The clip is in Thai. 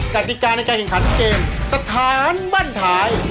กติกาในการแข่งขันเกมสถานบ้านท้าย